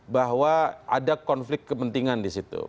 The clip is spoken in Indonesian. bahwa ada konflik kepentingan di situ